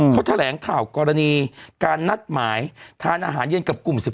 เขาแถลงข่าวกรณีการนัดหมายทานอาหารเย็นกับกลุ่ม๑๑